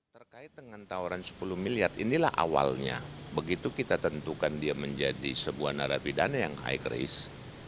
terkait dengan tawaran sepuluh miliar inilah awalnya begitu kita tentukan dia menjadi sebuah narapidana yang high risk